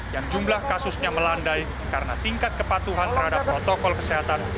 yang jumlah kasusnya melandai karena tingkat kepatuhan terhadap protokol kesehatan